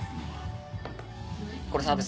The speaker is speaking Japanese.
これサービス。